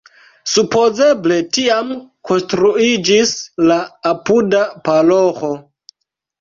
Supozeble tiam konstruiĝis la apuda paroĥo.